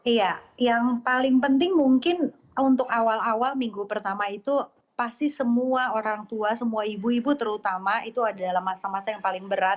iya yang paling penting mungkin untuk awal awal minggu pertama itu pasti semua orang tua semua ibu ibu terutama itu adalah masa masa yang paling berat